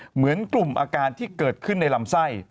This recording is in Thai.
เหมือนกลุ่มอาการที่เกิดขึ้นในลำไส้